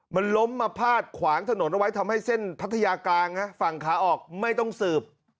มันล้มมาพาดขวางถนนเอาไว้ทำให้เส้นพัทยากลางฝั่งขาออกไม่ต้องสืบ